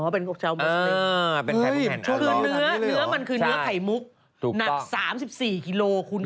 อ๋อเป็นโค๊กเชลล์มสเต็มช่วยว่าเนื้อมันคือเนื้อไข่มุกนัด๓๔กิโลคุณขา